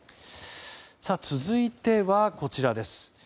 続いては、こちらです。